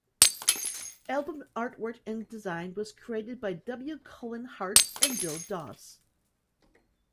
Album artwork and design was created by W. Cullen Hart and Bill Doss.